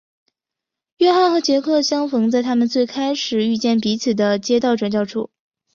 约翰和杰克相逢在他们最开始遇见彼此的街道转角处。